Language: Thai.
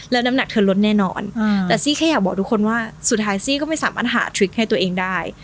แล้วน้ำหนักเธอลดแน่นอนแต่ซี่แค่อยากบอกทุกคนว่าสุดท้ายซี่ก็ไม่สามารถหาทริคให้ตัวเองได้